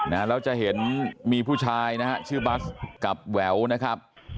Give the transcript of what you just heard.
แล้วจะเห็นมีผู้ชายนะฮะชื่อบัสกับแหววนะครับ